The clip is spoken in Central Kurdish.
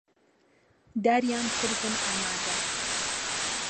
داریان کردن ئامادە